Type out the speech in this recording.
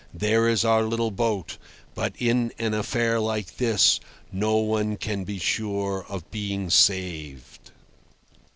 There is our little boat, but in an affair like this no one can be sure of being saved."